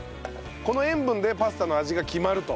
この塩分でパスタの味が決まると。